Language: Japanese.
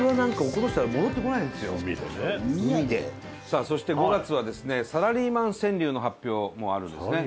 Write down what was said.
さあそして５月はですねサラリーマン川柳の発表もあるんですね。